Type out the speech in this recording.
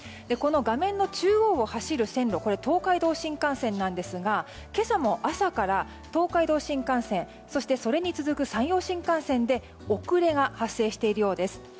この画面の中央を走る線路東海道新幹線なんですが今朝も朝から東海道新幹線そしてそれに続く山陽新幹線で遅れが発生しているようです。